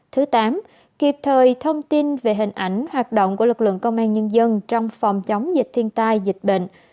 thứ tám kịp thời thông tin về hình ảnh hoạt động của lực lượng công an nhân dân trong phòng chống dịch thiên tai dịch bệnh